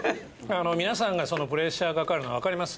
皆さんがプレッシャーかかるのはわかります。